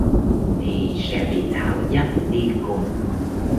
Thì sẽ bị Thảo dắt đi cùng